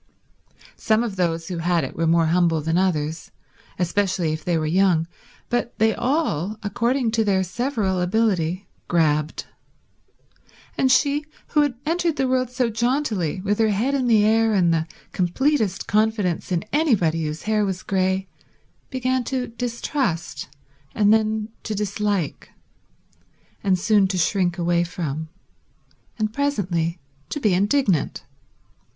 Some of those who had it were more humble than others, especially if they were young, but they all, according to their several ability, grabbed; and she who had entered the world so jauntily, with her head in the air and the completest confidence in anybody whose hair was grey, began to distrust, and then to dislike, and soon to shrink away from, and presently to be indignant.